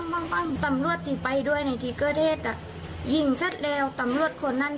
บางคนตำรวจที่ไปด้วยในที่เกิดเหตุอ่ะยิงเสร็จแล้วตำรวจคนนั้น